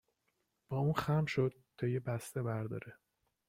و اون خم شد تا یه بسته برداره